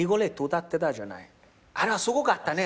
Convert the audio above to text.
あれはすごかったね。